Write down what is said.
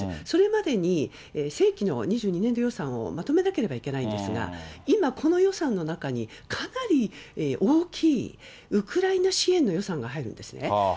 それまでに正規の２２年度予算をまとめなければいけないんですが、今、この予算の中にかなり大きいウクライナ支援の予算が入るんですね。